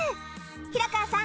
平川さん